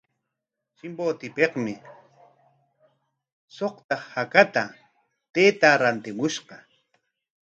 Chimbotepikmi suqta hakata taytaa rantimushqa.